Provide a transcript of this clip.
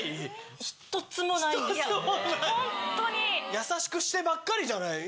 優しくしてばっかりじゃない。